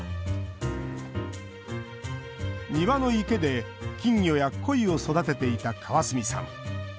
庭の池で金魚やコイを育てていた川角さん。